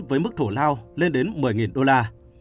với mức thổ lao lên đến một mươi đô la